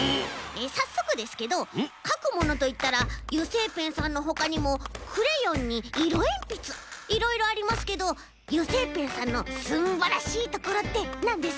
さっそくですけどかくものといったら油性ペンさんのほかにもクレヨンにいろえんぴついろいろありますけど油性ペンさんのすんばらしいところってなんですか？